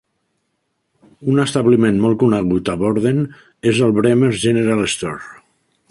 Un establiment molt conegut a Borden és el Brewer's General Store.